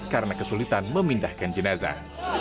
karena kesulitan memindahkan jenazah